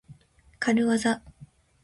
かるわざ。